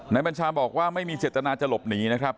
บัญชาบอกว่าไม่มีเจตนาจะหลบหนีนะครับ